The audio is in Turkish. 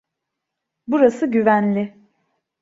Burası güvenli.